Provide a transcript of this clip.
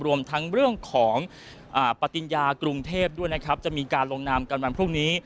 รวมทั้งเรื่องของปฏิญญากรุงเทพด้วยนะครับจะมีการลงนามกันวันพรุ่งนี้